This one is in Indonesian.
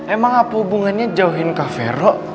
emang apa hubungannya jauhin kak fero